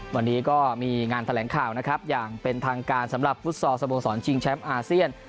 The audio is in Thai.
วันนี้ก็มีงานแถลงข่าวนะครับอย่างเป็นทางการสำหรับฟุตซอลสโมสรชิงแชมป์อาเซียน